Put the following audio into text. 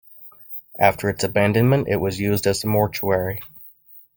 After its abandonment it was used as a mortuary.